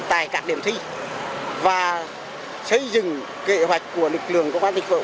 tại các điểm thi và xây dựng kế hoạch của lực lượng của các lực lượng